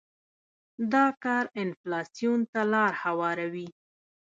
دا کار انفلاسیون ته لار هواروي.